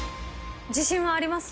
自信はあります？